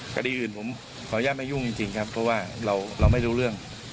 คดีอื่นผมขออนุญาตไม่ยุ่งจริงครับเพราะว่าเราไม่รู้เรื่อง